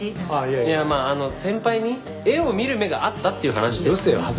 いやまあ先輩に絵を見る目があったっていう話ですよ。